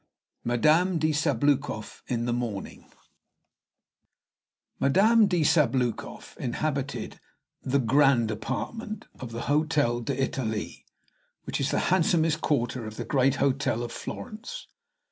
MADAME DE SABBLOUKOFF IN THE MORNING Madame de Sabloukoff inhabited "the grand apartment" of the Hôtel d'Italie, which is the handsomest quarter of the great hotel of Florence.